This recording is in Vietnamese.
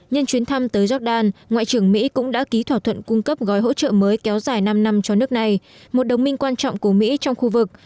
nhân chuyến thăm tới jordan ngoại trưởng mỹ cũng đã ký thỏa thuận cung cấp gói hỗ trợ mới kéo dài năm năm cho nước này một đồng minh quan trọng của mỹ trong khu vực